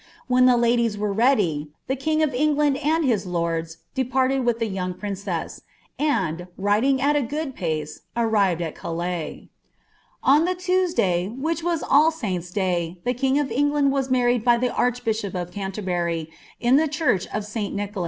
When the ladiec ware tmtf, ihe king of England and his lords departed with the yooi^ phtwM; and, riding at a good pace, arrifed at Culaii. On Ihe Tuexday, which wax AU Sainta' day, the king of Eogkad «» married by ihe archbiiihop of Canlerbury iJi the church of Si. WinhnlM.